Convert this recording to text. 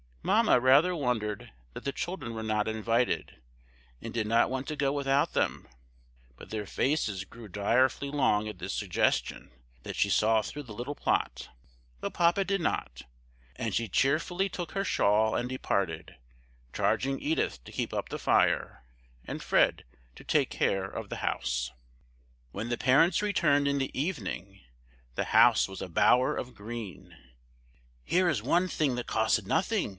Mamma rather wondered that the children were not invited, and did not want to go without them; but their faces grew so direfully long at this suggestion that she saw through the little plot, though Papa did not, and she cheerfully took her shawl and departed, charging Edith to keep up the fire, and Fred to take care of the house. When the parents returned in the evening the house was a bower of green. "Here is one thing that costs nothing!"